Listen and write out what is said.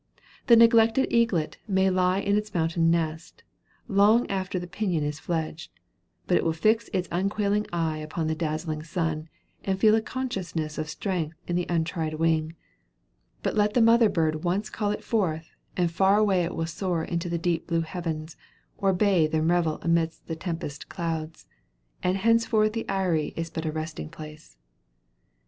The neglected eaglet may lie in its mountain nest, long after the pinion is fledged; but it will fix its unquailing eye upon the dazzling sun, and feel a consciousness of strength in the untried wing; but let the mother bird once call it forth, and far away it will soar into the deep blue heavens, or bathe and revel amidst the tempest clouds and henceforth the eyrie is but a resting place.